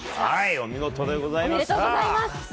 お見事でございました！